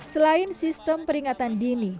selain sistem peringatan dini